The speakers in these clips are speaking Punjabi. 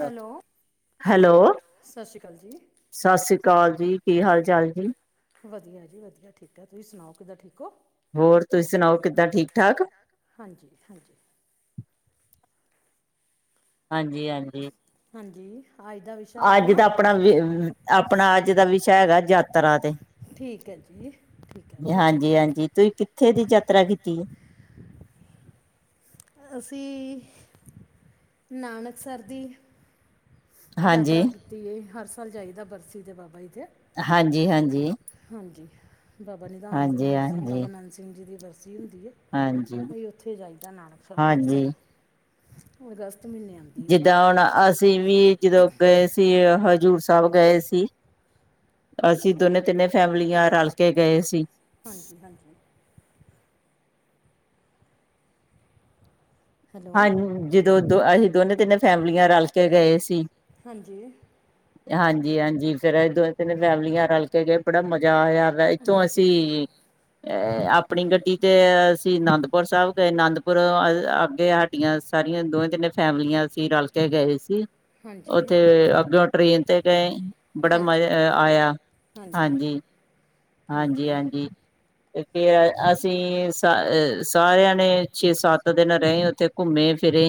ਹੈਲੋ ਹੈਲੋ, ਸਤਿ ਸ਼੍ਰੀ ਅਕਾਲ ਜੀ ਸਤਿ ਸ਼੍ਰੀ ਅਕਾਲ ਜੀ ਕੀ ਹਾਲ- ਚਾਲ ਜੀ। ਵਧੀਆ ਜੀ, ਵਧੀਆ ਠੀਕ ਹੈ, ਤੁਸੀਂ ਸੁਣਾਓ ਕਿੱਦਾਂ ਠੀਕ ਹੋ? ਹੋਰ ਤੁਸੀਂ ਸੁਣਾਓ ਕਿੱਦਾਂ ਠੀਕ -ਠਾਕ? ਹਾਂਜੀ -ਹਾਂਜੀ। ਹਾਂਜੀ- ਹਾਂਜੀ। ਹਾਂਜੀ। ਅੱਜ ਦਾ ਵਿਸ ਅੱਜ ਦਾ ਆਪਣਾ, ਆਪਣਾ ਅੱਜ ਦਾ ਵਿਸ਼ਾ ਹੈਗਾ ਯਾਤਰਾ ਤੇ। ਠੀਕ ਹੈ ਜੀ। ਠੀਕ ਹੈ ਤੁਸੀਂ ਹਾਂਜੀ- ਹਾਂਜੀ ਤੁਸੀਂ ਕਿੱਥੇ ਦੀ ਯਾਤਰਾ ਕੀਤੀ? ਅਸੀਂ ਨਾਨਕਸਰ ਦੀ। ਹਾਂਜੀ ਯਾਤਰਾ ਕੀਤੀ। ਹਰ ਸਾਲ ਜਾਈਦਾ ਬਰਸੀ ਦੇ ਬਾਬਾ ਜੀ ਤੇ। ਹਾਂਜੀ- ਹਾਂਜੀ। ਹਾਂਜੀ ਬਾਬਾ ਨਿਧਾਨ, ਹਾਂਜੀ ਹਾਂਜੀ ਬਾਬਾ ਨੰਦ ਸਿੰਘ ਜੀ ਦੀ ਬਰਸੀ ਹੁੰਦੀ ਹੈ। ਹਾਂਜੀ ਕੋਈ ਉੱਥੇ ਜਾਈਦਾ ਨਾਨਕਸਰ ਹਾਂਜੀ ਹੋਰ ਅਗਸਤ ਮਹੀਨੇ। ਆਉਂਦੀ ਹੈ ਜਿੱਦਾਂ ਹੁਣ ਅਸੀਂ ਵੀ ਜਦੋਂ ਗਏ ਸੀ ਹਜ਼ੂਰ ਸਾਹਿਬ ਗਏ ਸੀ। ਅਸੀਂ ਦੋਨੇ, ਤਿੰਨੇ ਫੈਮਲੀਆਂ ਰਲ ਕੇ ਗਏ ਸੀ। ਹਾਂਜੀ- ਹਾਂਜੀ। ਹੈਲੋ ਹਾਂ, ਜਦੋਂ ਦੋ ਅਸੀਂ ਦੋਨੇ, ਤਿੰਨੇ ਫੈਮਲੀਆਂ ਰਲ ਕੇ ਗਏ ਸੀ। ਹਾਂਜੀ ਹਾਂਜੀ- ਹਾਂਜੀ ਫੇਰ ਅਸੀ ਦੋਵੇਂ, ਤਿੰਨ ਫੈਮਲੀਆਂ ਰਲ ਕੇ ਗਏ ਬੜਾ ਮਜ਼ਾ ਆਇਆ। ਇੱਥੋਂ ਹਾਂਜੀ ਅਸੀਂ ਅ ਆਪਣੀ ਗੱਡੀ ਤੇ ਅਸੀਂ ਅਨੰਦਪੁਰ ਸਾਹਿਬ ਗਏ। ਅਨੰਦਪੁਰ ਸਾਡੀਆਂ ਸਾਰੀਆਂ ਦੋਵੇਂ, ਤਿੰਨੇ ਫੈਮਲੀਆਂ ਅ ਸੀਂ ਰਲ ਕੇ ਗਏ ਸੀ। ਹਾਂਜੀ ਉੱਥੇ ਅੱਗੋਂ ਟ੍ਰੇਨ ਤੇ ਗਏ ਬੜਾ ਹਾਂਜੀ ਮਜ਼ਾ ਆਇਆ। ਹਾਂਜੀ। ਹਾਂਜੀ -ਹਾਂਜੀ। ਫੇਰ ਅਸੀਂ ਸ ਸਾਰਿਆਂ ਨੇ ਛੇ- ਸੱਤ ਦਿਨ ਰਹੇ। ਉਥੇ ਘੁੰਮੇ ਫਿਰੇ।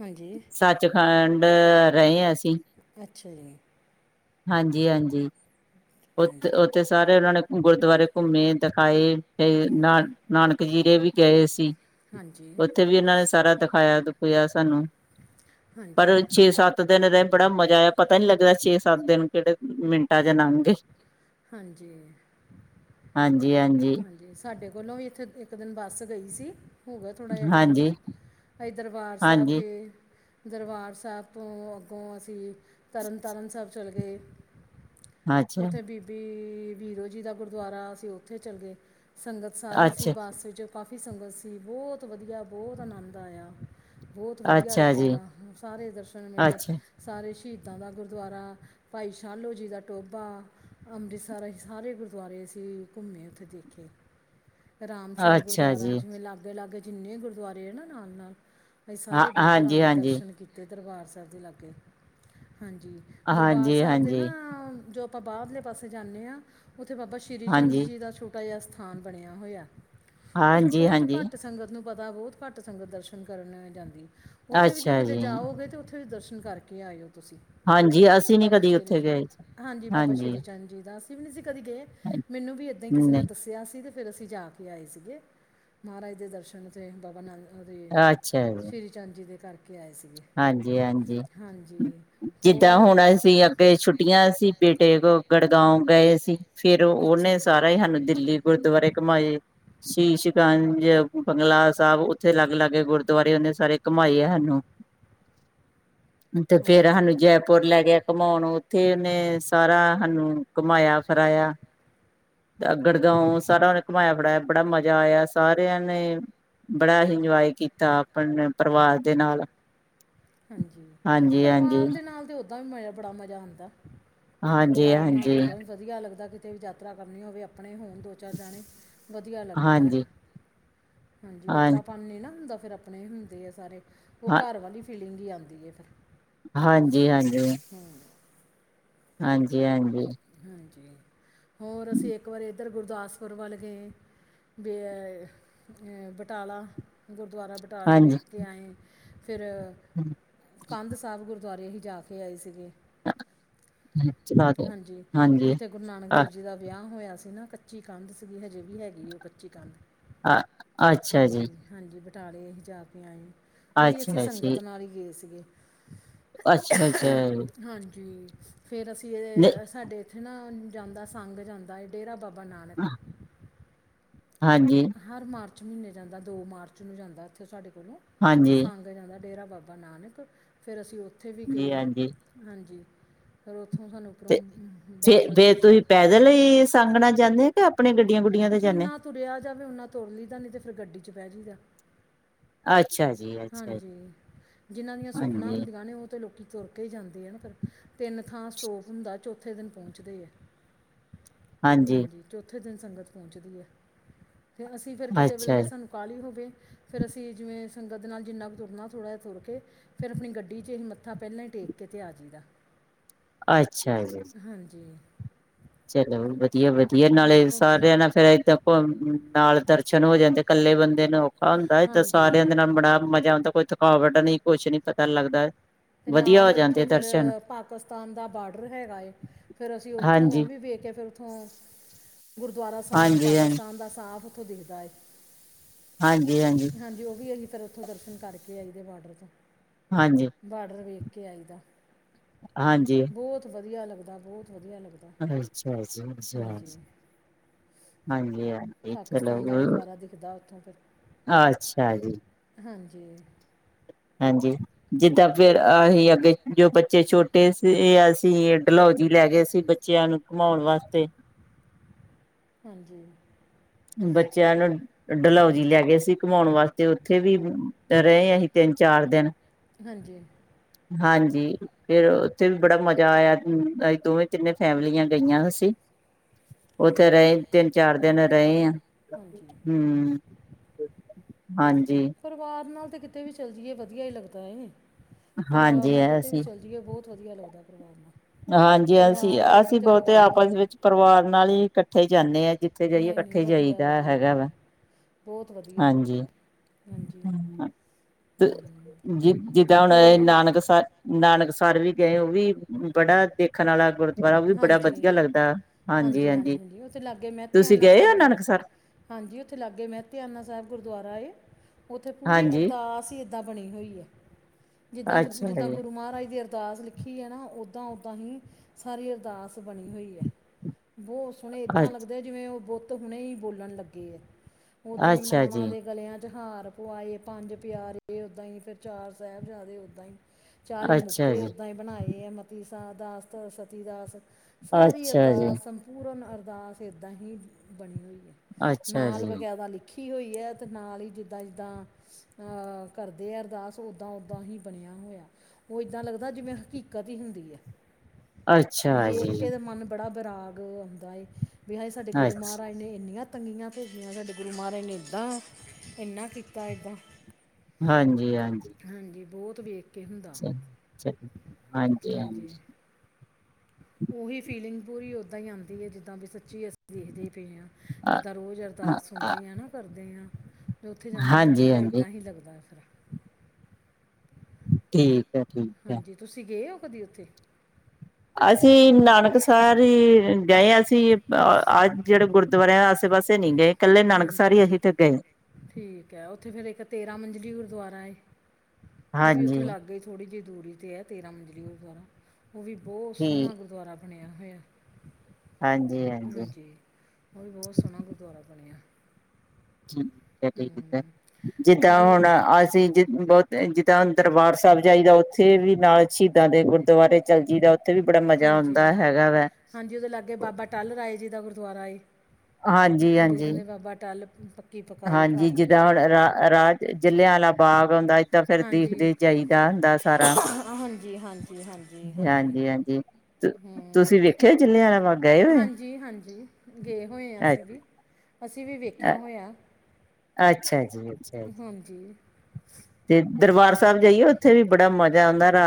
ਹਾਂਜੀ। ਸੱਚਖੰਡ ਰਹੇ ਹ ਅਸੀਂ। ਅੱਛਾ ਜੀ। ਹਾਂਜੀ- ਹਾਂਜੀ ਹਾਂਜੀ ਉੱਥੇ ਸਾਰੇ ਉਹਨਾਂ ਨੇ ਗੁਰਦੁਆਰੇ ਘੁੰਮੇ ਦਿਖਾਏ। ਤੇ, ਨਾ ਹਾਂਜੀ ਨਾਨਕ ਜੀਰੇ ਵੀ ਗਏ ਸੀ। ਹਾਂਜੀ ਓਥੇ ਵੀ ਇਨਾਂ ਨੇ ਸਾਰਾ ਦਖਾਇਆ- ਦਖੂਇਆ ਸਾਨੂੰ। ਹਾਂਜੀ ਪਰ ਛੇ- ਸੱਤ- ਸੱਤ ਦਿਨ ਰਏਂ। ਬੜਾ ਮਜ਼ਾ ਆਇਆ ਪਤਾ ਨੀ ਲੱਗਦਾ ਛੇ ਸੱਤ ਦਿਨ ਕੇੜੇ ਮਿੰਟਾਂ' ਚ ਨੰਗਗੇ। ਹਾਂਜੀ ਹਾਂਜੀ ਹਾਂਜੀ ਹਾਂਜੀ ਸਾਡੇ ਕੋਲੋਂ ਵੀ ਏਥੋਂ ਇੱਕ ਦਿਨ ਬੱਸ ਗਈ ਸੀ। ਹੋ ਗਿਆ ਥੋੜ੍ਹਾ ਜਿਆ ਟਾਈਮ। ਹਾਂਜੀ ਅਸੀਂ ਦਰਬਾਰ ਸਾਹਿਬ ਹਾਂਜੀ ਗਏ। ਦਰਬਾਰ ਸਾਹਿਬ ਤੋਂ ਅੱਗੋਂ ਅਸੀਂ ਤਰਨ ਤਾਰਨ ਸਾਹਿਬ ਚਲ ਗਏ। ਅੱਛਾ ਓਥੇ ਬੀਬੀ ਵੀਰੋ ਜੀ ਦਾ ਗੁਰਦੁਆਰਾ ਅਸੀਂ ਉੱਥੇ ਚਲ ਗਏ। ਸੰਗਤ ਸਾਰੀ ਸੀ ਅੱਛਾ ਬੱਸ ਵਿੱਚ ਕਾਫੀ ਸੰਗਤ ਸੀ ਬੋਤ ਵਧੀਆ ਬੋਤ ਆਨੰਦ ਆਇਆ। ਬੋਤ ਵਧੀਆ ਅੱਛਾ ਲੱਗਾ ਜੀ ਸਾਰੇ ਦਰਸ਼ਨ ਮੇਲੇ ਅੱਛਾ ਸਾਰੇ ਸ਼ੀਦਾਂ ਦਾ ਗੁਰਦੁਆਰਾ- ਭਾਈ ਸ਼ਾਲੋ ਜੀ ਦਾ ਟੋਭਾ ਅੰਮ੍ਰਿਸਰ ਅਸੀਂ ਸਾਰੇ ਗੁਰਦੁਆਰੇ ਅਸੀਂ- ਘੁੰਮੇ ਓਥੇ ਦੇਖੇ। ਰਾਮਸਰ ਅੱਛਾ ਗੁਰਦੁਆਰਾ ਜੀ ਜਿਵੇਂ ਲਾਗੇ ਲਾਗੇ- ਜਿੰਨੇ ਗੁਰਦੁਆਰੇ ਆ ਨਾ ਨਾਲ -ਨਾਲ। ਅਸੀ ਹਾਂ ਸਾਰੇ ਗੁਰੂ ਘਰਾਂ ਹਾਂਜੀ ਦੇ ਹਾਂਜੀ ਦਰਸ਼ਨ ਕੀਤੇ। ਤੇ ਦਰਬਾਰ ਸਾਹਿਬ ਦੇ ਲਾਗੇ। ਹਾਂਜੀ ਦਰਬਾਰ ਹਾਂਜੀ ਸਾਹਿਬ ਦੇ ਨਾ ਹਾਂਜੀ ਜੋ- ਆਪਾਂ ਬਾਰਲੇ ਪਾਸੇ ਜਾਂਨੇ ਆਂ ਓਥੇ ਬਾਬਾ ਸ੍ਰੀ ਚੰਦ ਹਾਂਜੀ ਜੀ ਦਾ ਛੋਟਾ- ਕਯਾ ਸਥਾਨ ਬਣਿਆ ਹੋਇਆ, ਉੱਥੇ ਹਾਂਜੀ ਬਹੁਤ ਹਾਂਜੀ ਘੱਟ ਸੰਗਤ ਨੂੰ ਪਤਾ ਬਹੁਤ ਘੱਟ ਸੰਗਤ ਦਰਸ਼ਨ ਕਰਨ ਜਾਂਦੀ, ਉੱਥੇ ਵੀ ਜੋ ਅੱਛਾ ਕਿਤੇ ਜੀ ਜਾਓਗੇ ਤੋ ਫੇਰ ਦਰਸ਼ਨ ਕਰਕੇ ਆਇਓ। ਤੁਸੀਂ ਹਾਂਜੀ ਅਸੀਂ ਹਾਂਜੀ ਨੀ ਬਾਬਾ ਕਦੀ ਸ਼੍ਰੀ ਚੰਦ ਉੱਥੇ ਜੀ, ਗਏ ਹਾਂਜੀ ਬਾਬਾ ਸ਼੍ਰੀ ਚੰਦ ਜੀ ਦਾ ਵੀ ਤੁਸੀਂ ਕਦੇ ਗਏ, ਮੈਨੂੰ ਵੀ ਏਦਾਂ ਹੀ ਕਿਸੇ ਨਹੀਂ ਨੇ ਦੱਸ ਸਿਆਸੀ ਤੇ ਫਿਰ ਅਸੀਂ ਜਾ ਕੇ ਆਏ ਸੀਗੇ, ਮਹਾਰਾਜ ਦੇ ਦਰਸ਼ਨ ਤੇ ਬਾਬਾ ਨੰਦ ਉਦੇ ਸ਼੍ਰੀ ਚੰਦ ਜੀ ਦੇ ਕਰਕੇ ਆਏ ਸੀਗੇ ਹਾਂਜੀ- ਹਾਂਜੀ ਹਾਂਜੀ ਜਿੱਦਾਂ ਹੁਣ ਅਸੀਂ ਅੱਗੇ ਛੁੱਟੀਆਂ ਸੀ। ਬੇਟੇ ਕੋਲ ਗੁੜਗਾਂਓ ਗਏ ਸੀ, ਫਿਰ ਉਹਨੇ ਸਾਰਾ ਹੀ ਸਾਨੂੰ ਦਿੱਲੀ ਗੁਰਦੁਆਰੇ ਘੁਮਾਏ ਸ਼ੀਸ਼ ਗੰਜ ਬੰਗਲਾ ਸਾਹਿਬ ਉੱਥੇ ਅਲੱਗ- ਅਲੱਗ ਗੁਰਦੁਆਰੇ ਉਹਨੇ ਸਾਰੇ ਘੁੰਮਾਏ ਹੈ ਸਾਨੂੰ। ਤੇ ਫੇਰ ਸਾਨੂੰ ਜੈਪੁਰ ਲੈ ਗਿਆ। ਘੁਮਾਉਣ ਉੱਥੇ ਉਹਨੇ ਸਾਰਾ ਹਾਨੂੰ ਸਾਨੂੰ ਘੁਮਾਇਆ ਫਰਾਇਆ। ਅੱਗੜਗਾਉ ਸਾਰਾ ਉਹਨੇ ਘੁਮਾਇਆ ਫਿੜਾਇਆ ਬੜਾ ਮਜ਼ਾ ਆਇਆ ਸਾਰਿਆਂ ਨੇ ਬੜਾ ਇੰਜੋਏ ਕੀਤਾ, ਅਪਣੇ ਪਰਿਵਾਰ ਦੇ ਨਾਲ। ਹਾਂਜੀ, ਹਾਂਜੀ-ਹਾਂਜੀ। ਪਰਿਵਾਰ ਦੇ ਨਾਲ ਤਾਂ, ਉੱਦਾਂ ਵੀ ਬੜਾ ਮਜ਼ਾ ਆਂਦਾ। ਹਾਂਜੀ ਪਰਿਵਾਰ ਨਾਲ ਹਾਂਜੀ ਤੇ ਓਦਾਂ ਵੀ ਵਧੀਆ ਲੱਗਦਾ, ਕਿਤੇ ਵੀ ਯਾਤਰਾ ਕਰਨੀ ਹੋਵੇ ਆਪਣੇ ਹੋਣ ਦੋ ਚਾਰ ਜਾਣੇ ਵਧੀਆ ਲੱਗਦਾ ਏ, ਹਾਂਜੀ ਹਾਂਜੀ ਹਾਂ ਓਪਰਾ ਪਨ ਨੀ ਹੁੰਦਾ ਫੇਰ ਆਪਣੇ ਹੁੰਦੇ ਆ ਸਾਰੇ, ਉਹ ਹਾਂ ਘਰ ਵਾਲੀ ਫੀਲਿੰਗ ਜੀ ਆਉਂਦੀ ਹੈ ਫਿਰ। ਹਾਂਜੀ- ਹਾਂਜੀ। ਹੂੰ। ਹਾਂਜੀ- ਹਾਂਜੀ। ਹਾਂਜੀ, ਹੋਰ ਅਸੀਂ ਇੱਕ ਵਾਰੀ ਇੱਧਰ ਗੁਰਦਾਸਪੁਰ ਵੱਲ ਗਏ, ਵੇ ਬਟਾਲਾ। ਗੁਰਦੁਆਰਾ ਬਟਾਲੇ ਵੇਖ ਹਾਂਜੀ ਕੇ ਆਏ। ਫਿਰ [inaudible] [inaudible] ਕੰਧ ਸਾਹਿਬ ਗੁਰਦੁਆਰੇ ਹੀ ਜਾ ਕੇ ਆਏ ਸੀਗੇ। [unintelligible] ਹਾਂਜੀ। ਹਾਂਜੀ ਜਿੱਥੇ ਗੁਰੂ ਨਾਨਕ ਅ ਦੇਵ ਜੀ ਦਾ ਵਿਆਹ ਹੋਇਆ ਸੀ ਨਾ, ਕੱਚੀ ਕੰਧ ਸੀਗੀ ਹਜੇ ਵੀ ਹੈਗੀ ਉਹ ਕੱਚੀ ਕੰਧ। ਅ ਅੱਛਾ ਜੀ ਹਾਂਜੀ- ਹਾਂਜੀ ਬਟਾਲੇ ਜਾ ਕੇ ਆਏ। ਉਹ ਵੀ ਅਸੀਂ ਅੱਛਾ ਜੀ ਸੰਗਤ ਨਾਲ ਹੀ ਗਏ ਸੀਗੇ। ਅੱਛਾ- ਅੱਛਾ। ਹਾਂਜੀ। ਫਿਰ ਅਸੀਂ ਨਹੀਂ ਇਹ ਸਾਡੇ ਇੱਥੇ ਨਾ ਜਾਂਦਾ ਸੰਗ ਜਾਂਦਾ ਹੈ ਡੇਰਾ ਬਾਬਾ ਬਾ ਨਾਨਕ ਹਾਂਜੀ। ਹਰ ਮਾਰਚ ਮਹੀਨੇ ਜਾਂਦਾ। ਦੋ ਮਾਰਚ ਨੂੰ ਜਾਂਦਾ ਇੱਥੇ ਸਾਡੇ ਕੋਲੋਂ, ਹਾਂਜੀ ਸੰਗ ਜਾਂਦਾ ਡੇਰਾ ਬਾਬਾ। ਬਾਬਾ ਨਾਨਕ। ਫਿਰ ਅਸੀਂ ਉੱਥੇ ਵੀ ਜੀ ਗਏ। ਹਾਂਜੀ ਹਾਂਜੀ ਫਿਰ ਉੱਥੋਂ ਸਾਨੂੰ ਉੱਪਰੋਂ ਤੇ ਬਾਰਡਰ ਫੇ-ਫੇਰ ਤੁਸੀਂ ਦਿਸਦਾ ਪੈਦਲ ਹੀ ਸੰਗਣਾ ਜਾਂਦੇ, ਆ ਕਿ ਆਪਣੇ ਗੱਡੀਆਂ ਗੁੱਡੀਆਂ ਤੇ ਜਾਂਨੇ? ਜਿੰਨਾ ਤੁਰਿਆ ਜਾਵੇ ਉਹਨਾ ਤੁਰ ਲਈਦਾ, ਨਹੀਂ ਤੇ ਫਿਰ ਗੱਡੀ 'ਚ ਬਹਿ ਜਾਈਦਾ। ਅੱਛਾ ਜੀ ਅੱਛਾ ਜੀ ਹਾਂਜੀ। ਜਿਨਾਂ ਦੀਆਂ ਸੁਖਨਾ ਹਾਂਜੀ ਹੁੰਦੀਆਂ ਨੇ ਉਹ ਲੋਕੀ ਤੁਰ ਕੇ ਜਾਂਦੇ ਆ ਨਾ ਫਿਰ। ਤਿੰਨ ਥਾਂ ਸਟੋਵ ਹੁੰਦਾ ਚੌਥੇ ਦਿਨ ਪਹੁੰਚਦੇ ਆ। [inaudible] ਹਾਂਜੀ ਚੌਥੇ ਦਿਨ ਸੰਗਤ ਪਹੁੰਚਦੀ ਹੈ, ਤੇ ਅਸੀਂ ਫਿਰ ਕਿਸੇ ਵੇਲੇ ਅੱਛਾ ਜੇ ਸਾਨੂੰ ਉਕਾਾਲ ਈ ਹੋਵੇ, ਫਿਰ ਅਸੀਂ ਜਿਵੇਂ ਸੰਗਤ ਦੇ ਨਾਲ ਜਿੰਨਾ ਕੁ ਤੁਰਨਾ, ਥੋੜ੍ਹਾ ਜਿਹਾ ਤੁਰ ਕੇ ਫੇਰ ਆਪਣੀ ਗੱਡੀ ਚ ਅਹੀ ਮੱਥਾ ਪਹਿਲਾਂ ਹੀ ਟੇਕ ਕੇ ਤੇ ਆ ਜਾਈਦਾ। ਅੱਛਾ ਜੀ। ਹਾਂਜੀ। ਚਲੋ ਵਧੀਆ-ਵਧੀਆ। ਹਾਂ ਨਾਲੇ ਉੱਥੇ ਸਾਰਿਆਂ ਨਾਲ ਫੇਰ ਏਦਾਂ ਪੳ-ਨਾਲ ਦਰਸ਼ਨ ਹੋ ਜਾਂਦੇ। ਕੱਲੇ ਬੰਦੇ ਨੂੰ ਔਖਾ ਹੁੰਦਾ ਹੈ, ਤਾਂ ਹਾਂਜੀ ਸਾਰਿਆਂ ਦੇ ਨਾਲ ਬੜਾ ਮਜ਼ਾ ਆਉਂਦਾ ਹੈ। ਕੋਈ ਥਕ ਕਾਅ ਵਡਨੀ, ਕੁਛ ਨੀ ਪਤਾ ਲੱਗਦਾ ਹੈ। ਤੇ ਨਾਲ ਹੀ ਉੱਥੇ ਫਿਰ ਪਾਕਿਸਤਾਨ ਦਾ ਬਾਰਡਰ ਹੈਗਾ ਏ। ਫੇਰ ਅਸੀਂ ਉੱਥੋਂ ਉਹ ਹਾਂਜੀ, ਵੀ ਵੇਖ ਕੇ ਫਿਰ ਉੱਥੋਂ, ਗੁਰਦੁਆਰਾ ਸਾਹਿਬ ਹਾਂਜੀ, ਹਾਂਜੀ, ਪਾਕਿਸਤਾਨ ਦਾ ਸਾਫ਼ ਉੱਥੋਂ ਦਿਖਦਾ ਹੈ। ਹਾਂਜੀ-ਹਾਂਜੀ। ਹਾਂਜੀ, ਉਹ ਵੀ ਅਸੀਂ ਫਿਰ ਉੱਥੋਂ ਦਰਸ਼ਨ ਕਰਕੇ ਆਈਦੇ ਬਾਰਡਰ ਤੋਂ ਹਾਂਜੀ ਬਾਰਡਰ ਵੇਖ ਕੇ ਆਈ ਦਾ। ਹਾਂਜੀ। ਬਹੁਤ ਵਧੀਆ ਲੱਗਦਾ, ਬਹੁਤ ਵਧੀਆ ਲੱਗਦਾ। ਅੱਛਾ-ਅਛ ਹਾਂਜੀ [unintelligible] ਚਲੋ, ਪਾਕਿਸਤਾਨ ਦਾ ਗੁਰਦੁਆਰਾ ਦਿਖਦਾ ਉੱਥੋਂ ਫਿਰ ਅੱਛਾ ਜੀ। ਹਾਂਜੀ। ਹਾਂਜੀ, ਜਿੱਦਾਂ ਫਿਰ ਅਹੀ ਅੱਗੇ ਜੋ ਬੱਚੇ ਛੋਟੇ ਸੀ ਅਸੀਂ ਲੋਜੀ, ਲੈ ਗਏ ਸੀ ਬੱਚਿਆਂ ਨੂੰ ਘੁਮਾਉਣ ਵਾਸਤੇ। ਹਾਂਜੀ। ਬੱਚਿਆਂ ਨੂੰ ਡਲਉਜੀ ਲੈ ਗਏ ਸੀ ਘਮਾਉਣ ਵਾਸਤੇ। ਉੱਥੇ ਵੀ ਤੇ ਰਹੇ ਅਹੀ ਤਿੰਨ ਚਾਰ ਦਿਨ। ਹਾਂਜੀ। ਹਾਂਜੀ। ਫਿਰ ਉੱਥੇ ਵੀ ਬੜਾ ਮਜ਼ਾ ਆਇਆ। ਅਸੀਂ ਦੋਵੇਂ ਤਿੰਨੇ ਫੈਮਲੀਆਂ ਗਈਆਂ ਅਸੀਂ। ਉੱਥੇ ਹਾਂਜੀ ਰਹੇ, ਤਿੰਨ-ਚਾਰ ਦਿਨ ਰਹੇ ਆ। ਹਾਂਜੀ ਹਂ ਹਾਂਜੀ। ਪਰਿਵਾਰ ਨਾਲ ਤੇ ਕਿਤੇ ਵੀ ਚੱਲ ਜਾਈਏ ਵਧੀਆ ਹੀ ਲੱਗਦਾ ਹੈ ਜੀ। ਪਰਿਵਾਰ ਹਾਂਜੀ ਨਾਲ ਕਿਤੇ ਵੀ ਅਸੀਂ ਚੱਲ ਜੀ ਉਹ ਬਹੁਤ ਵਧੀਆ ਲੱਗਦਾ ਪਰਿਵਾਰ ਨਾਲ। ਹਾਂਜੀ ਹਾਂਜੀ ਪਰਿਵਾਰ ਵਰਗੀ ਅਸੀ-ਅਸੀਂ ਤਾਂ ਕੋਈ ਬਹੁਤੇ ਗੱਲ ਹੀ ਨਹੀਂ ਆਪਸ ਵਿੱਚ ਪਰਿਵਾਰ ਨਾਲ ਹੀ ਇਕੱਠੇ ਜਾਂਦੇ ਹਾਂ। ਜਿੱਥੇ ਜਿਥੇ ਜਾਈਏ, ਨਹੀਂ ਨਹੀਂ ਕੱਠੇ ਈ ਵਧੀਆ ਜਾਈਦਾ ਵਧੀਆ ਹੈਗਾ ਵੇ। ਵਧੀਆ ਬਹੁਤ ਵਧੀਆ। ਹਾਂਜੀ ਤੇ ਹੂੰ ਜੇ ਜਿੱਦਾਂ ਹੁਣ ਏਹ ਹੋਰ ਨਾਨਕ ਸਾਹਿਬ ਨਾਨਕਸਰ ਵੀ ਗਏ, ਉਹ ਵੀ ਬੜਾ ਦੇਖ ਖਨਾਲਾ ਗੁਰਦੁਆਰਾ ਉਹ ਵੀ ਬੜਾ ਵਧੀਆ ਹਾਂਜੀ ਲੱਗਦਾ। ਹਾਂਜੀ, ਹਾਂਜੀ। ਉੱਥੇ ਲਾਗੇ ਤੁਸੀਂ ਮਹਿਤਿਆਨਾ ਗਏ ਆ ਸਾਹਿਬ ਹੈ ਨਾਨਕਸਰ? ਹਾਂਜੀ ਉੱਥੇ ਲਾਗੇ ਮੈਂ ਧਿਆਨਾ ਸਾਹਿਬ ਗੁਰਦੁਆਰਾ ਏ, ਉੱਥੇ ਪੂਰੀ ਹਾਂਜੀ ਅਰਦਾਸ ਜਿੱਦਾਂ ਬਣੀ ਹੋਈ ਐ। ਜਿੱਦਾਂ ਗੁ, ਅੱਛਾ ਜਿੱਦਾਂ ਜੀ ਗੁਰੂ ਮਹਾਰਾਜ ਦੇ ਅਰ ਅਰਦਾਸ ਲਿਖੀ ਐਨਾਂ, ਓਦਾਂ ਓਦਾਂ ਹੀ ਸਾਰੀ ਅਰਦਾਸ ਬਣੀ ਹੋਈ ਐ। ਬਹੁਤ ਸੋਹਣੇ ਅੱ ਇਦਾਂ ਲੱਗਦੈ, ਜਿਵੇਂ ਉਹ ਬੁੱਤ ਹੁਣੇ ਹੀ ਬੋਲਣ ਲੱਗੇ ਐ। ਓਦਾਂ ਹੀ ਅੱਛਾ ਮਾਵਾਂ ਜੀ ਦੇ ਗਲਿਆਂ ਚ ਹਾਰ ਪੁਵਾਏ ਪੰਜ ਪਿਆਰੇ, ਉਦਾਂ ਹੀ ਫਿਰ ਚਾਰ ਸਾਹਿਬਜ਼ਦੇ ਉੱਦਾਂ ਈ। ਚਾਲੀ ਅੱਛਾ ਮੁਕਤੇ ਜੀ ਉੱਦਾਂ ਹੀ ਬਣਾਏ ਆ, ਮਤੀ ਸ ਦਾਸ ਸਤੀ ਦਾਸ। ਸਾਰੀ ਅੱਛਾ ਜੀ ਅਰਦਾਸ, ਸੰਪੂਰਨ ਅਰਦਾਸ ਇੱਦਾਂ ਹੀ ਬਣੀ ਹੋਈ ਐ। ਅੱਛਾ ਨਾਲ ਜੀ ਬਕੈਤਾ ਲਿਖੀ ਹੋਈ ਏ, ਤੇ ਨਾਲ ਹੀ ਜਿੱਦਾਂ-ਜਿੱਦਾਂ ਅਹ ਕਰਦੇ ਆ ਅਰਦਾਸ ਓਦਾਂ-ਓਦਾਂ ਹੀ ਬਣਿਆ ਹੋਇਆ। ਉਹ ਇੱਦਾਂ ਲੱਗਦਾ ਜਿਵੇਂ ਹਕੀਕਤ ਈ ਹੁੰਦੀ ਐ। ਅੱਛਾ ਵੇਖ ਕੇ ਜੀ ਤਾਂ ਮਨ ਬੜਾ ਬਰਾਗ ਆਉਂਦਾ ਏ, ਵੀ ਆ ਜੇ ਸਾਡੇ ਗੁਰੂ ਅੱਛਾ ਮਹਾਰਾਜ ਨੇ ਇੰਨੀਆਂ ਤੰਗੀਆਂ ਭੇਜੀਆਂ ਸਾਡੇ ਗੁਰੂ ਮਹਾਰਾਜ ਨੇ ਏਦਾਂ, ਇੰਨਾ ਕੀਤਾ ਏਦਾਂ ਹਾਂਜੀ ਹਾਂਜੀ। ਹਾਂਜੀ ਬਹੁਤ ਵੇਖ ਕੇ ਹੁੰਦਾ [unintelligible] ਹਾਂਜੀ ਹਾਂਜੀ। ਉਹੀ ਫੀਲਿੰਗ ਪੂਰੀ ਓਦਾਂ ਹੀ ਆਉਂਦੀ ਐ, ਜਿੱਦਾਂ ਵੀ ਸੱਚੀ ਅਸੀਂ ਦੇਖਦੇ ਹੀ ਪਏ ਆਂ। ਜਿੱਦਾਂ ਰੋਜ਼ ਅਰਦਾਸ ਸੁਣਦੇ ਆਂ ਨਾਂ। ਕਰਦੇ ਆਂ। ਮੈਂ ਉੱਥੇ ਜਾਂਣੇ ਆਂ, ਹਾਂਜੀ ਪੂਰਾ ਹਾਂਜੀ ਇੱਦਾਂ ਹੀ ਲੱਗਦਾ ਫਿਰ ਠੀਕ ਐ, ਠੀਕ ਐ। ਹਾਂਜੀ ਤੁਸੀਂ ਗਏ ਹੋ ਕਦੀ ਉੱਥੇ ਅਸੀਂ ਨਾਨਕ ਸਾਰ ਗਏ ਆਂ, ਅਸੀਂ ਅੱਜ ਜਿਹੜੇ ਗੁਰ ਦੁਆਰਿਆਂ ਆਸੇ-ਪਾਸੇ ਨੀਂ ਗਏ, ਇਕੱਲੇ ਨਾਨਕ ਸਾਰੇ ਹਾਂਜੀ ਹੀ ਅਸੀਂ ਤੇ ਗਏ। ਠੀਕ ਐ, ਉੱਥੇ ਫੇਰ ਇੱਕ ਤੇਰਾਂ ਮੰਜਲੀ ਗੁਰਦੁਆਰਾ ਏ, ਉਹ ਵੀ ਉੱਥੇ ਹਾਂਜੀ ਲਾਗੇ ਥੋੜ੍ਹੀ ਜਿਹੀ ਦੂਰੀ ਤੇ ਏ, ਤੇਰਾਂ ਮੰਜਲੀ ਗੁਰਦੁਆਰਾ ਉਹ ਵੀ ਬਹੁਤ ਸੋਹਣਾ ਠੀਕ ਗੁਰਦੁਆਰਾ। ਹਂ, ਹਂ। ਹਾਂਜੀ ਉਹ ਵੀ ਬਹੁਤ ਸੋਹਣਾ ਗੁਰਦੁਆਰਾ [unintelligible] ਠੀਕ ਏ, ਠੀਕ ਏ, ਹੂੰ ਜਿੱਦਾਂ ਹਜੂ ਹੁਣ ਅਸੀਂ ਜ ਬਹੁਤ ਜਿੱਦਾਂ ਦਰਬਾਰ ਸਾਹਿਬ ਜਾਈਦਾ ਉੱਥੇ ਵੀ ਨਾਲ ਸ਼ਹੀਦਾਂ ਦੇ ਗੁਰਦੁਆਰੇ ਚਲ ਜਾਈਦਾ ਉੱਥੇ ਵੀ ਬੜਾ ਮਜਾ ਹਾਂਜੀ ਆਉਂਦਾ ਹੈਗਾ ਵੇ। ਹਾਂਜੀ ਉਹਦੇ ਲਾਗੇ ਬਾਬਾ ਟਲ ਰਾਏ ਜੀ ਦਾ ਗੁਰਦੁਆਰਾ ਏ। ਹਾਂਜੀ ਜ ਹਾਂਜੀ ਕਹਿੰਦੇ ਬਾਬਾ ਟਲ [unintelligible] ਹਾਂਜੀ, ਜਿੱਦਾਂ ਹੁਣ ਰਾ ਰਾਜ ਜਲਿਆਂ ਵਾਲਾ ਬਾਗ ਆਉਂਦਾ ਏ ਤਾਂ ਫਿਰ ਹਾਂਜੀ ਦੇਖਦੇ ਜਾਈਦਾ ਹੁੰਦਾ ਸਾਰਾ। ਹਾਂਜੀ, ਹਾਂਜੀ, ਹਾਂਜੀ, ਹਾਂਜੀ। ਹਾਂਜੀ। ਤੁਸੀਂ ਹਂ, ਵੇਖਿਆ ਜਲਿਆਂ ਵਾਲਾ ਬਾਗ ਗਏ ਹੋਏ ਹਾਂਜੀ ਹਾਂਜੀ, ਗਏ ਹੋਏ ਆਂ ਅਸੀਂ ਵੀਂ ਅਸੀਂ ਵੀ ਅ ਵੇਖਿਆ ਹੋਇਆ। ਅੱਛਾ ਜੀ, ਅੱਛਾ ਜੀ। ਹਾਂਜੀ। ਤੇ ਦਰਬਾਰ ਸਾਹਿਬ ਜਾਈਏ। ਉੱਥੇ ਵੀ ਬੜਾ ਮਜ਼ਾ ਆਉਂਦਾ ਰਾ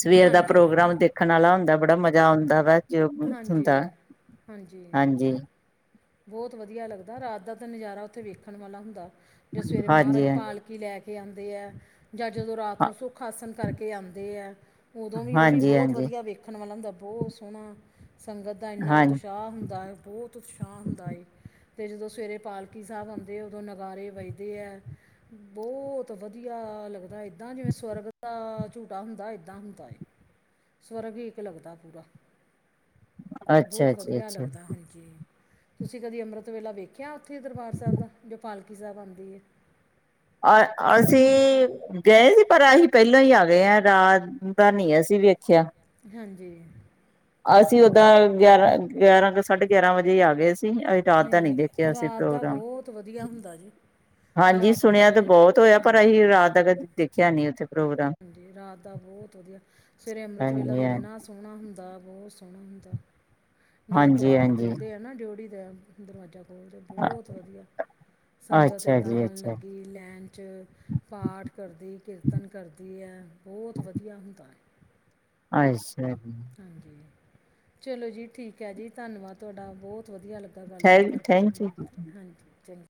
ਸਵੇਰ ਦਾ ਹਾਂਜੀ ਪ੍ਰੋਗਰਾਮ ਹਾਂਜੀ ਦੇਖਣ ਵਾਲਾ ਹੁੰਦਾ ਬੜਾ ਮਜ਼ਾ ਆਉਂਦਾ ਵਾ। ਜੋ ਹਾਂਜੀ ਹੁੰਦਾ ਹਾਂਜੀ। ਬਹੁਤ ਵਧੀਆ ਲੱਗਦਾ ਰਾਤ ਦਾ ਤਾਂ ਨਜ਼ਾਰਾ ਉੱਥੇ ਵੇਖਣ ਵਾਲਾ ਹੁੰਦਾ, ਜੇ ਸਵੇਰੇ ਮਹਾਰਾਜ ਹਾਂਜੀ ਹਾਂਜੀ ਪਾਲਕੀ ਕੀ ਲੈ ਕੇ ਆਉਂਦੇ ਹੈ। ਜਾਂ ਜਦੋਂ ਰਾਤ ਨੂੰ ਸੁੱਖ ਆਸਣ ਕਰਕੇ ਆਉਂਦੇ ਹੈ। ਉਦੋਂ ਵੀ ਉਹ ਵੀ ਹਾਂਜੀ ਬਹੁਤ ਹਾਂਜੀ ਵਧੀਆ ਵਖ ਰਖਣ ਵਾਲਾ ਹੁੰਦਾ ਬਹੁਤ ਸੋਹਣਾ, ਸੰਗਤ ਦਾ ਇੰਨਾ ਹਾਂਜੀ ਉਤਸ਼ਾਹ ਹੁੰਦਾ ਹੈ ਬਹੁਤਤਸ਼ ਹਾਂ ਹੁੰਦਾ ਏ। ਅਤੇ ਜਦੋਂ ਸਵੇਰੇ ਪਾਲਕੀ ਸਾਹਿਬ ਆਉਂਦੇ ਉਦੋਂ ਨਗਾਰੇ ਵੱਜਦੇ ਹੈ। ਬਹੁਤ ਵਧੀਆ ਲੱਗਦਾ ਇੱਦਾਂ ਜਿਵੇਂ ਸਵਰਗ ਦਾ ਝੂਟਾ ਹੁੰਦਾ ਇੱਦਾਂ ਹੁੰਦਾ ਏ। ਸਵਰਗ ਵੀ ਹੀ ਇੱਕ ਲੱਗਦਾ। ਪੂਰਾ ਅੱਛਾ ਬਹੁਤ ਜੀ ਵਧੀਆ ਅੱਛਾ ਲੱਗਦਾ। ਹਾਂਜੀ। ਤੁਸੀਂ ਕਦੀ ਅੰਮ੍ਰਿਤ ਵੇਲਾ ਵੇਖਿਆ ਉੱਥੇ ਦਰਬਾਰ ਸਾਹਿਬ ਦਾ ਜੋ ਪਾਲਕੀ ਸਾਹਿਬ ਆਉਂਦੀ ਹੈ। ਅ, ਅਸੀਂ ਗਏ ਸੀ ਪਰ ਅਸੀਂ ਪਹਿਲੋਂ ਹੀ ਆ ਗਏ ਹਾ। ਰਾਤ ਦਾ ਨੀ ਅਸੀਂ ਵੇਖਿਆ। ਹਾਂਜੀ। ਅਸੀਂ ਉਹ ਦਾ ਗਯਾਰਾਂ ਗਿਆਰਾਂ ਕੁ ਸਾਢੇ ਗਿਆਰਾਂ ਵਜੇ ਆ ਗਏ ਸੀ ਅਸੀਂ ਰਾਤ ਦਾ ਨਹੀਂ ਦੇਖਿਆ ਸੀ ਰਾਤ ਦਾ ਪ੍ਰੋਗਰਾਮ। ਬਹੁਤ ਵਧੀਆ ਹੁੰਦਾ ਜੀ ਹਾਂਜੀ, ਰਾਤ ਨੂੰ ਸੁਣਿਆ ਤਾਂ ਬਹੁਤ ਹੋਇਆ ਪਰ ਹਾਂਜੀ ਅਸੀਂ ਰਾਤ ਦਾ ਕਦੇ ਦੇਖਿਆ ਨੀ ਉੱਥੇ। ਪ੍ਰੋਗਰਾਮ ਹਾਂਜੀ, ਰਾਤ ਦਾ ਬਹੁਤ ਵਧੀਆ ਸਵੇਰੇ ਅੰਮ੍ਰਿਤ ਵੇਲਾ ਹਾਂਜੀ ਤਾਂ ਹਾਂ ਇੰਨਾ ਸੋਹਣਾ ਹੁੰਦਾ ਬਹੁਤ ਸੋਹਣਾ ਹੁੰਦਾ। ਜਦੋਂ ਕੁਵਾਰਡ ਹਾਂਜੀ-ਹਾਂਜੀ, ਖੁੱਲ੍ਹਦੇ ਆ ਨਾ ਡਿਓੜੀ ਦੇ ਦਰਵਾਜ਼ਾ ਖੋਲਦੇ ਬਹੁਤ ਵਧੀਆ ਸੰਗਤ ਅੱਛਾ ਇੱਦਾਂ ਜੀ ਅੱਛਾ, ਲੱਗੀ ਲੈਣ ' ਪਾਠ ਕਰਦੀ ਕੀਰਤਨ ਕਰਦੀ ਹੈ ਬਹੁਤ ਵਧੀਆ ਹੁੰਦਾ ਹੈ। ਅੱਛਾ। ਹਾਂਜੀ, ਚਲੋ ਜੀ ਠੀਕ ਹੈ ਜੀ। ਧੰਨਵਾਦ ਤੁਹਾਡਾ ਬਹੁਤ ਬਹੁਤ ਵਧੀਆ ਲੱਗਦਾ ਥੈ ਗੱਲਬਾਤ ਕਰਕੇ ਤੁਹਾਡੇ ਥੈਂਕ ਯੂ ਜੀ। ਨਾਲ ਹਾਂਜੀ। ਚੰਗਾ